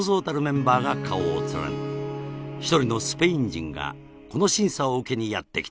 一人のスペイン人がこの審査を受けにやって来た